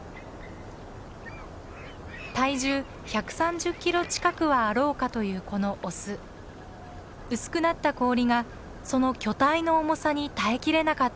体重１３０キロ近くはあろうかというこのオス。薄くなった氷がその巨体の重さに耐えきれなかったのです。